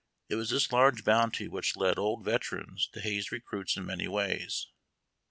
It was this large bounty which led old veterans to haze recruits in many ways.